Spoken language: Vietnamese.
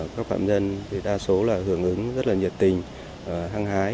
các phạm nhân đa số hưởng ứng rất nhiệt tình